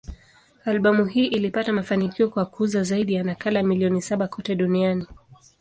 Albamu hii ilipata mafanikio kwa kuuza zaidi ya nakala milioni saba kote duniani.